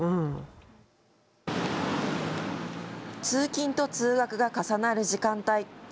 通勤と通学が重なる時間帯。